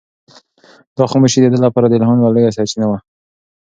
دا خاموشي د ده لپاره د الهام یوه لویه سرچینه وه.